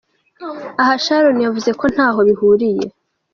Aha Sharon yavuze ko ntaho bihuriye.